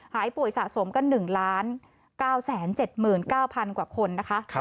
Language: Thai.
หายป่วยสะสมกัน๑๙๗๙๐๐กว่าคนนะคะ